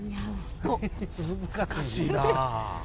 難しいな。